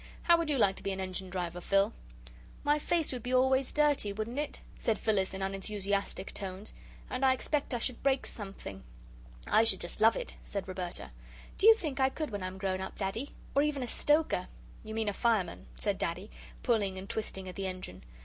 How would you like to be an engine driver, Phil?" "My face would be always dirty, wouldn't it?" said Phyllis, in unenthusiastic tones, "and I expect I should break something." "I should just love it," said Roberta "do you think I could when I'm grown up, Daddy? Or even a stoker?" "You mean a fireman," said Daddy, pulling and twisting at the engine.